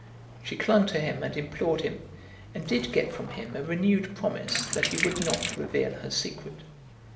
She clung to him and implored him, and did get from him a renewed promise that he would not reveal her secret.